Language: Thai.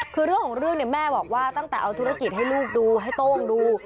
คือเรื่องของเรื่องเนี่ยแม่บอกว่าตั้งแต่เอาธุรกิจให้ลูกดูให้โต้งดู